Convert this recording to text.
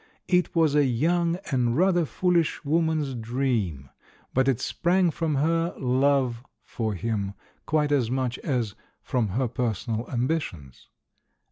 It was a young and rather foolish woman's dream, but it sprang from her love for him quite as much as from her personal ambitions.